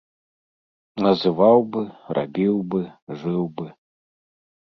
Называў бы, рабіў бы, жыў бы.